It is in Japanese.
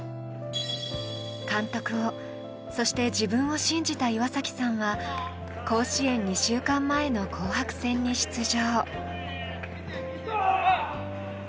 監督を、そして自分を信じた岩崎さんは甲子園２週間前の紅白戦に出場。